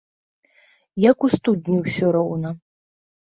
Як у студні ўсё роўна.